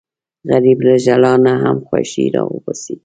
غریب له ژړا نه هم خوښي راوباسي